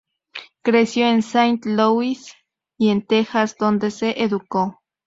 Creció en Saint-Louis y en Texas donde se educó.